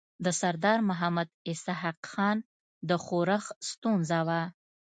د سردار محمد اسحق خان د ښورښ ستونزه وه.